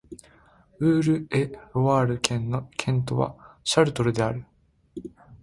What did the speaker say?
ウール＝エ＝ロワール県の県都はシャルトルである